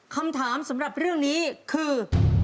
คำถามสำหรับเรื่องนี้คือ